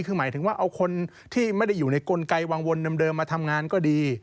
คือหมายถึงว่าเอาคนที่ไม่ได้อยู่ในกลไกวางวนเดิมมาทำงานก็ดี